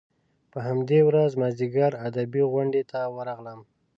په همدې ورځ مازیګر ادبي غونډې ته ورغلم.